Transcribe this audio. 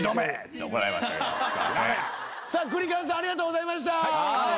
クリカンさんありがとうございました。